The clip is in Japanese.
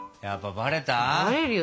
バレるよ